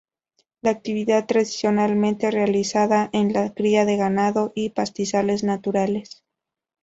La actividad tradicionalmente realizada es la cria de ganado y pastizales naturales.